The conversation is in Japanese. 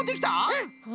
うん！